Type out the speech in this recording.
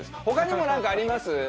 他にも、なんかあります？